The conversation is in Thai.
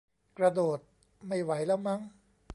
กระโดดไม่ไหวแล้วมั้ง